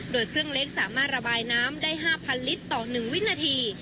โดยเครื่องเล็กสามารถระบายน้ำได้๕๐๐ลิตรต่อ๑วินาที